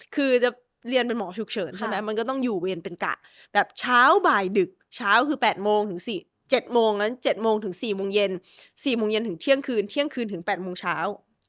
คือจะเรียนเป็นหมอฉุกเฉินใช่ไหมมันก็ต้องอยู่เวรเป็นกะแบบเช้าบ่ายดึกเช้าคือ๘โมงถึง๗โมงนั้น๗โมงถึง๔โมงเย็น๔โมงเย็นถึงเที่ยงคืนเที่ยงคืนถึง๘โมงเช้า